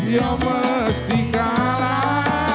ya mesti kalah